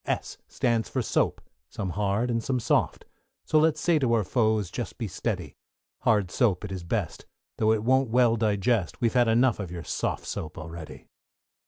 =S= stands for Soap, some hard, and some soft, So let's say to our foes, just be steady; Hard soap it is best, though it won't well digest, We've had enough of your soft soap already.